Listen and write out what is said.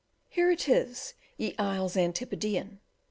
Here it is, ye isles Antipodean!